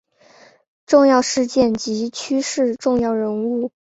重要事件及趋势重要人物